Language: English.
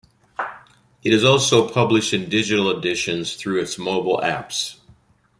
It is also published in digital editions through its mobile apps.